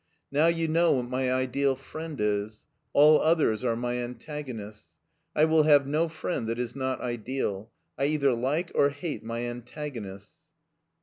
Now you know what my ideal friend is; all others are my antagonists. I will have no friend that is not ideal. I either like or hate my antagonists.''